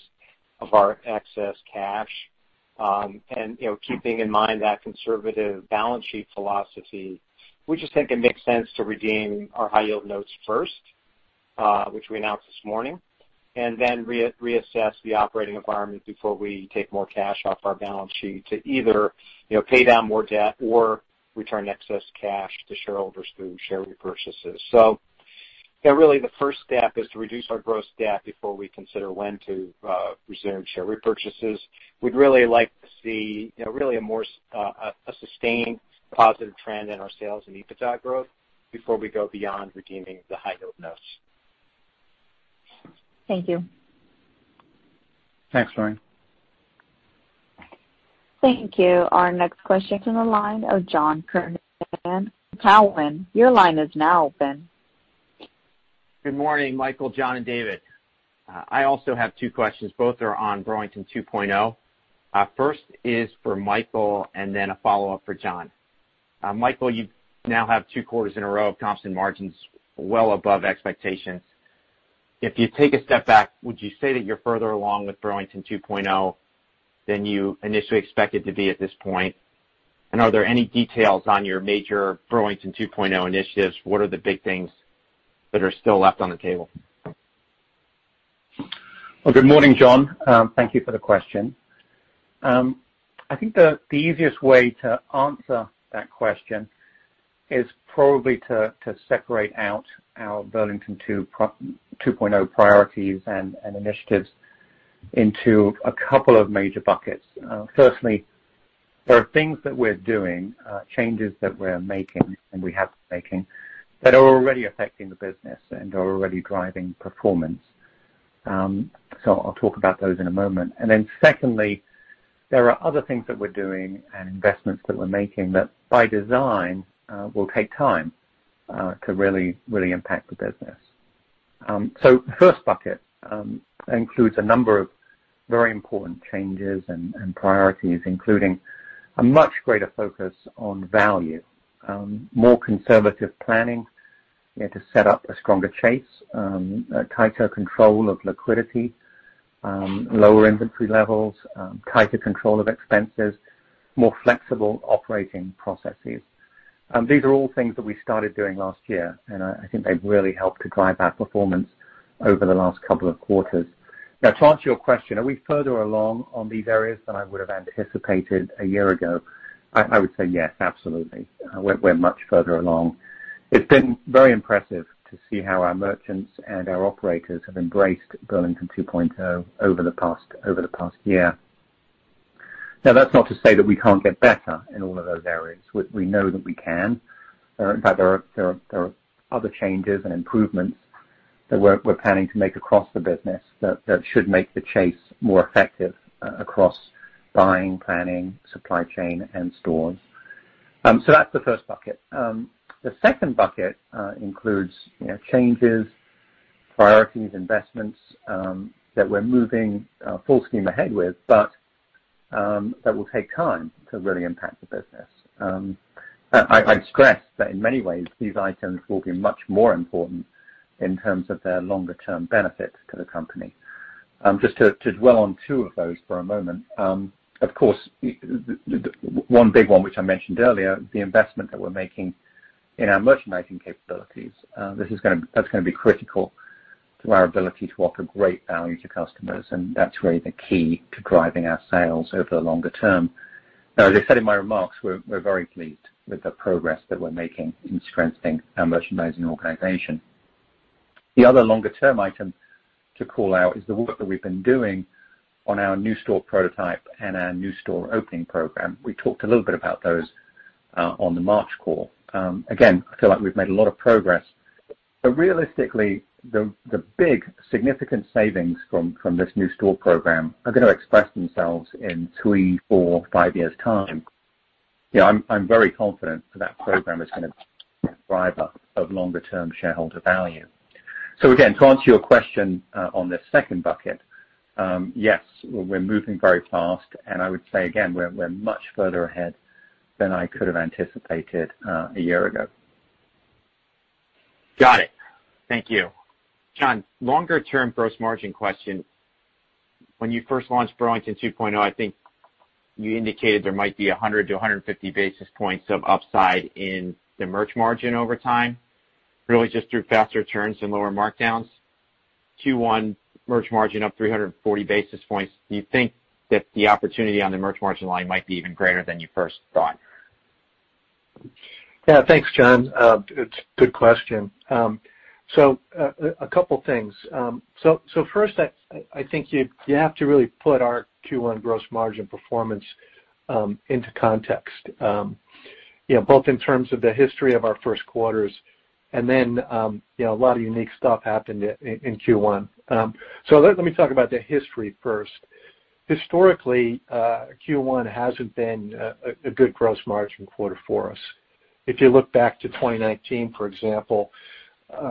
of our excess cash. Keeping in mind that conservative balance sheet philosophy, we just think it makes sense to redeem our high-yield notes first, which we announced this morning, and then reassess the operating environment before we take more cash off our balance sheet to either pay down more debt or return excess cash to shareholders through share repurchases. Yeah, really the first step is to reduce our gross debt before we consider when to resume share repurchases. We'd really like to see a sustained positive trend in our sales and EBITDA growth before we go beyond redeeming the high-yield notes. Thank you. Thanks, Lorraine. Thank you. Our next question is on the line of John Kernan from Cowen. Your line is now open. Good morning, Michael, John, and David. I also have two questions. Both are on Burlington 2.0. First is for Michael, and then a follow-up for John. Michael, you now have two quarters in a row of constant margins well above expectations. If you take a step back, would you say that you're further along with Burlington 2.0 than you initially expected to be at this point? Are there any details on your major Burlington 2.0 initiatives? What are the big things that are still left on the table? Well, good morning, John. Thank you for the question. I think the easiest way to answer that question is probably to separate out our Burlington 2.0 priorities and initiatives into a couple of major buckets. Firstly, there are things that we're doing, changes that we're making, and we have been making that are already affecting the business and are already driving performance. I'll talk about those in a moment. Secondly, there are other things that we're doing and investments that we're making that by design, will take time to really impact the business. The first bucket includes a number of very important changes and priorities, including a much greater focus on value, more conservative planning to set up a stronger chase, tighter control of liquidity, lower inventory levels, tighter control of expenses, more flexible operating processes. These are all things that we started doing last year, and I think they've really helped to drive our performance over the last couple of quarters. To answer your question, are we further along on these areas than I would have anticipated a year ago? I would say yes, absolutely. We're much further along. It's been very impressive to see how our merchants and our operators have embraced Burlington 2.0 over the past year. That's not to say that we can't get better in all of those areas. We know that we can. In fact, there are other changes and improvements that we're planning to make across the business that should make the chase more effective across buying, planning, supply chain, and stores. That's the first bucket. The second bucket includes changes, priorities, investments that we're moving full steam ahead with, but that will take time to really impact the business. I stress that in many ways, these items will be much more important in terms of their longer-term benefits to the company. Just to dwell on two of those for a moment. Of course, one big one, which I mentioned earlier, the investment that we're making in our merchandising capabilities, that's going to be critical to our ability to offer great value to customers, and that's really the key to driving our sales over the longer term. As I said in my remarks, we're very pleased with the progress that we're making in strengthening our merchandising organization. The other longer-term item to call out is the work that we've been doing on our new store prototype and our new store opening program. We talked a little bit about those on the March call. Again, I feel like we've made a lot of progress. Realistically, the big significant savings from this new store program are going to express themselves in three, four, five years' time. I'm very confident that that program is going to be a driver of longer-term shareholder value. Again, to answer your question on the second bucket, yes, we're moving very fast, and I would say again, we're much further ahead than I could have anticipated a year ago. Got it. Thank you. John, longer-term gross margin question. When you first launched Burlington 2.0, I think you indicated there might be 100 basis points-150 basis points of upside in the merch margin over time, really just through faster turns and lower markdowns. Q1 merch margin up 340 basis points. Do you think that the opportunity on the merch margin line might be even greater than you first thought? Yeah, thanks, John. It's a good question. A couple things. First, I think you have to really put our Q1 gross margin performance into context, both in terms of the history of our first quarters and then a lot of unique stuff happened in Q1. Let me talk about the history first. Historically, Q1 hasn't been a good gross margin quarter for us. If you look back to 2019, for example,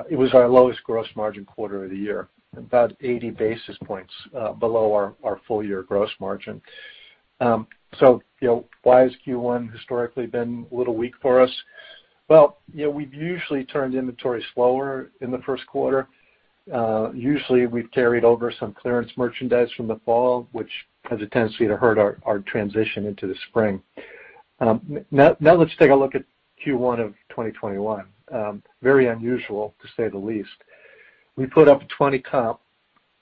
it was our lowest gross margin quarter of the year, about 80 basis points below our full-year gross margin. Why has Q1 historically been a little weak for us? We've usually turned inventory slower in the first quarter. Usually, we've carried over some clearance merchandise from the fall, which has a tendency to hurt our transition into the spring. Let's take a look at Q1 of 2021. Very unusual, to say the least. We put up a 20 comp,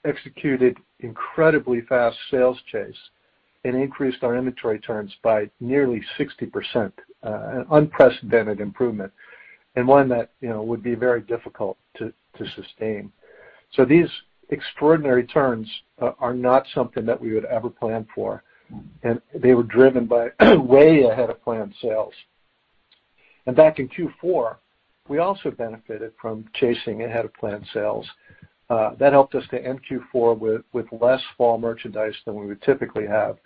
executed incredibly fast sales chase, and increased our inventory turns by nearly 60%, an unprecedented improvement and one that would be very difficult to sustain. These extraordinary turns are not something that we would ever plan for. They were driven by way ahead of planned sales. Back in Q4, we also benefited from chasing ahead of planned sales. That helped us to end Q4 with less fall merchandise than we would typically have.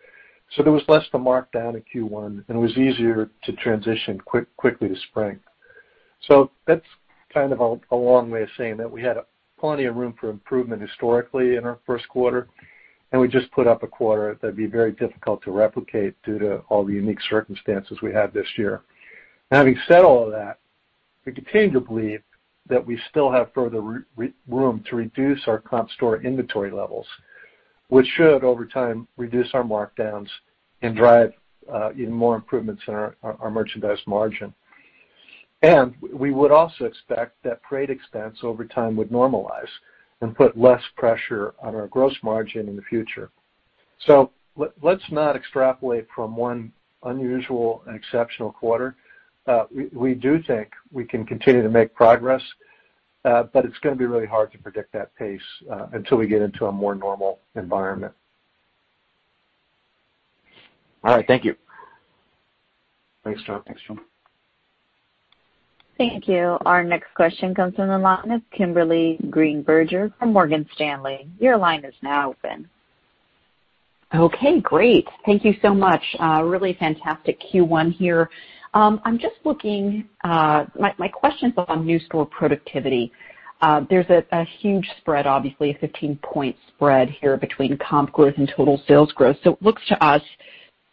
There was less to mark down in Q1, and it was easier to transition quickly to spring. That's kind of a long way of saying that we had plenty of room for improvement historically in our first quarter, and we just put up a quarter that'd be very difficult to replicate due to all the unique circumstances we had this year. Having said all of that, we continue to believe that we still have further room to reduce our comp store inventory levels, which should, over time, reduce our markdowns and drive even more improvements in our merchandise margin. We would also expect that freight expense over time would normalize and put less pressure on our gross margin in the future. Let's not extrapolate from one unusual and exceptional quarter. We do think we can continue to make progress, but it's going to be really hard to predict that pace until we get into a more normal environment. All right. Thank you. Thanks, John. Thanks, John. Thank you. Our next question comes from the line of Kimberly Greenberger from Morgan Stanley. Your line is now open. Okay, great. Thank you so much. A really fantastic Q1 here. My question's on new store productivity. There's a huge spread, obviously, a 15-point spread here between comp growth and total sales growth. It looks to us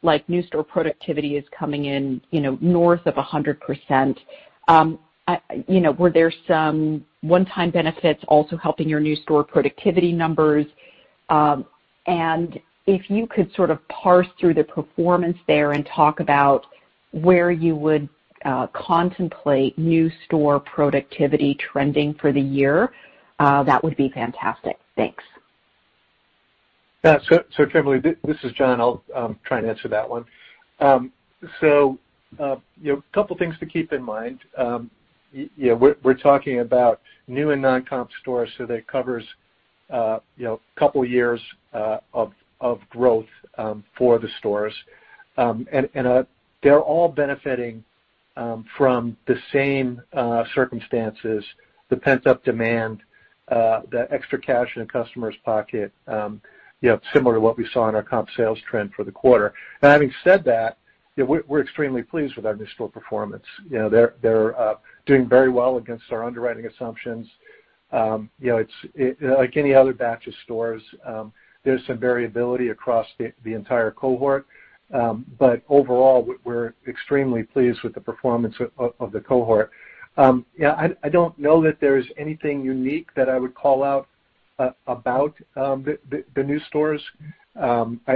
like new store productivity is coming in north of 100%. Were there some one-time benefits also helping your new store productivity numbers? If you could sort of parse through the performance there and talk about where you would contemplate new store productivity trending for the year, that would be fantastic. Thanks. Yeah. Kimberly, this is John. I'll try and answer that one. A couple of things to keep in mind. We're talking about new and non-comp stores, that covers a couple of years of growth for the stores. They're all benefiting from the same circumstances, the pent-up demand, the extra cash in a customer's pocket, similar to what we saw in our comp sales trend for the quarter. Now, having said that, we're extremely pleased with our new store performance. They're doing very well against our underwriting assumptions. Like any other batch of stores, there's some variability across the entire cohort. Overall, we're extremely pleased with the performance of the cohort. I don't know that there is anything unique that I would call out about the new stores. As I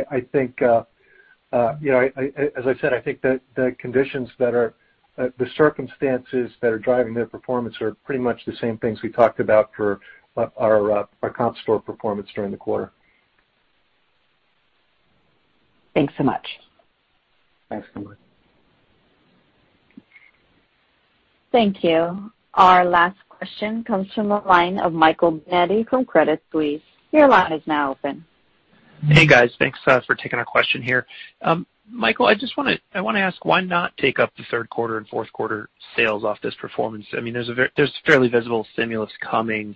said, I think that the circumstances that are driving their performance are pretty much the same things we talked about for our comp store performance during the quarter. Thanks so much. Thanks, Kimberly. Thank you. Our last question comes from the line of Michael Binetti from Credit Suisse. Your line is now open. Hey, guys. Thanks for taking a question here. Michael, I want to ask why not take up the third quarter and fourth quarter sales off this performance? There's a fairly visible stimulus coming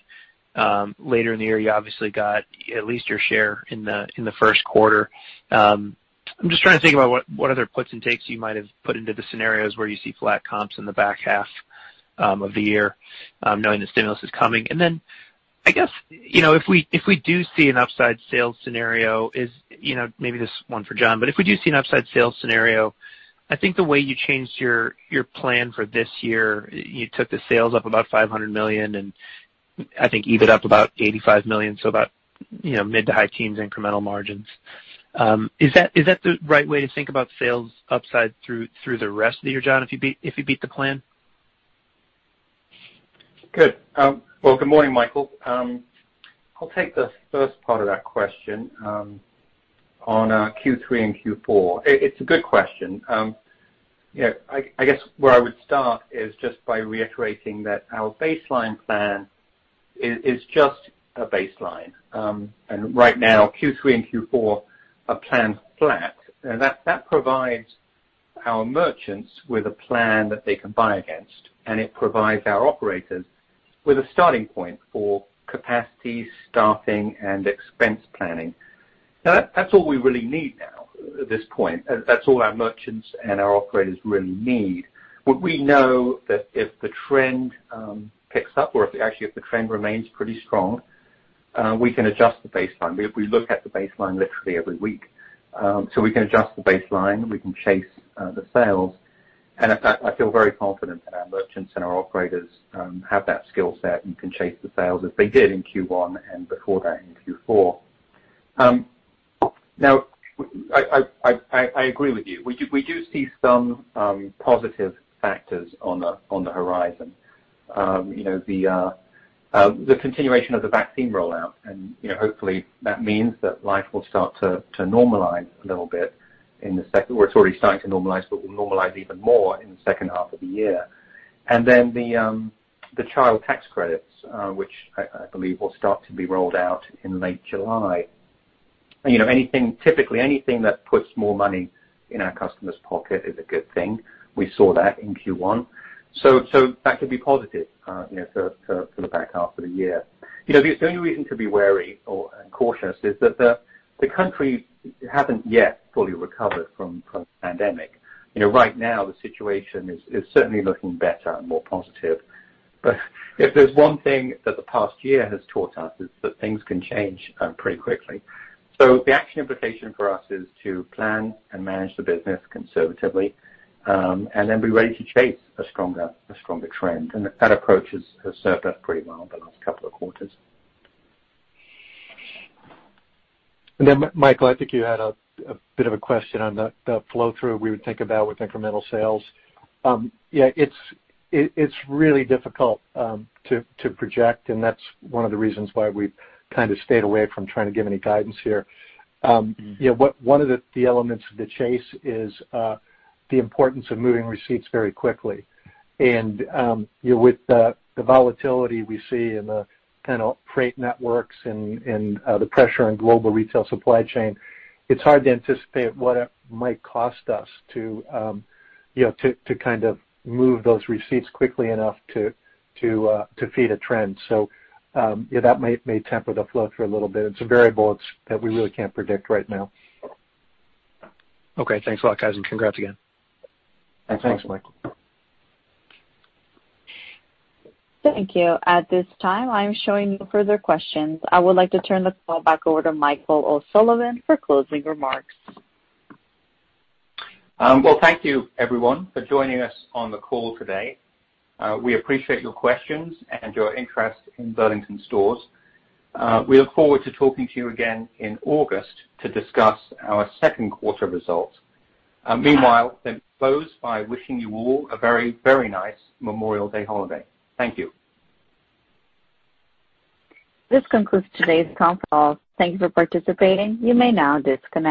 later in the year. You obviously got at least your share in the first quarter. I'm just trying to think about what other puts and takes you might have put into the scenarios where you see flat comps in the back half of the year, knowing the stimulus is coming. I guess, if we do see an upside sales scenario, maybe this is one for John, but if we do see an upside sales scenario, I think the way you changed your plan for this year, you took the sales up about $500 million and I think even up about $85 million, so about mid to high teens incremental margins. Is that the right way to think about sales upside through the rest of the year, John, if you beat the plan? Good. Well, good morning, Michael. I'll take the first part of that question on Q3 and Q4. It's a good question. I guess where I would start is just by reiterating that our baseline plan is just a baseline. Right now, Q3 and Q4 are planned flat. That provides our merchants with a plan that they can buy against, and it provides our operators with a starting point for capacity, staffing, and expense planning. Now, that's all we really need now at this point. That's all our merchants and our operators really need. What we know that if the trend picks up or if actually if the trend remains pretty strong, we can adjust the baseline. We look at the baseline literally every week. We can adjust the baseline. We can chase the sales. I feel very confident that our merchants and our operators have that skill set and can chase the sales as they did in Q1 and before that in Q4. Now, I agree with you. We do see some positive factors on the horizon. The continuation of the vaccine rollout, and hopefully that means that life will start to normalize a little bit. Well, it's already starting to normalize, but will normalize even more in the second half of the year. The Child Tax Credit, which I believe will start to be rolled out in late July. Typically, anything that puts more money in our customers' pocket is a good thing. We saw that in Q1. That could be positive for the back half of the year. The only reason to be wary or cautious is that the country hasn't yet fully recovered from the pandemic. Right now, the situation is certainly looking better and more positive. If there's one thing that the past year has taught us, is that things can change pretty quickly. The actual invitation for us is to plan and manage the business conservatively, and then be ready to chase a stronger trend. That approach has served us pretty well the last couple of quarters. Michael, I think you had a bit of a question on the flow-through we would think about with incremental sales. Yeah, it's really difficult to project, and that's one of the reasons why we've kind of stayed away from trying to give any guidance here. One of the elements of the chase is the importance of moving receipts very quickly. With the volatility we see in the kind of freight networks and the pressure on global retail supply chain, it's hard to anticipate what it might cost us to kind of move those receipts quickly enough to feed a trend. That may temper the flow-through a little bit. It's a variable that we really can't predict right now. Okay. Thanks a lot, guys, and congrats again. Thanks, Michael. Thank you. At this time, I'm showing no further questions. I would like to turn the call back over to Michael O'Sullivan for closing remarks. Well, thank you everyone for joining us on the call today. We appreciate your questions and your interest in Burlington Stores. We look forward to talking to you again in August to discuss our second quarter results. Meanwhile, let's close by wishing you all a very nice Memorial Day holiday. Thank you. This concludes today's conference call. Thanks for participating. You may now disconnect.